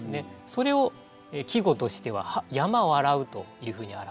それを季語としては「山笑う」というふうに表すんです。